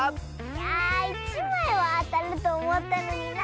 あ１まいはあたるとおもったのにな。